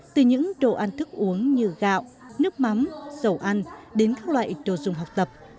từ những đồ ăn thức uống như gạo nước mắm dầu ăn đến các loại đồ dùng học tập